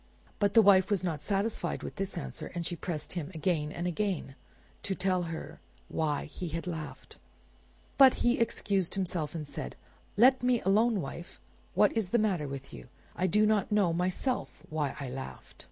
But the wife was not satisfied with this answer, and she pressed him again and again to tell her why he had laughed. But he excused himself, and said— "Let me alone, wife! What is the matter with you? I do not know myself why I laughed."